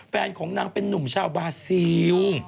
ของนางเป็นนุ่มชาวบาซิล